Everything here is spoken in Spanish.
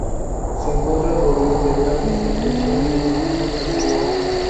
Se encuentra rodeado de grandes extensiones de cultivos de cereal.